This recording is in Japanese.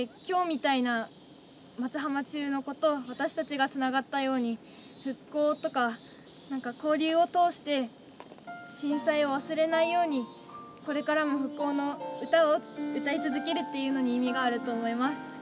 今日みたいな松浜中の子と私たちがつながったように復興とかなんか交流を通して震災を忘れないようにこれからも復興の歌を歌い続けるというのに意味があると思います。